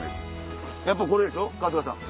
やっぱこれでしょ春日さん。